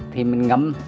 thì mình ngắm